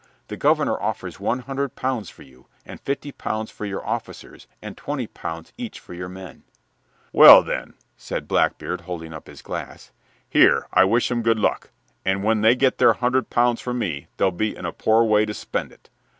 The governor offers one hundred pounds for you, and fifty pounds for your officers, and twenty pounds each for your men." "Well, then," said Blackbeard, holding up his glass, "here, I wish 'em good luck, and when they get their hundred pounds for me they'll be in a poor way to spend it.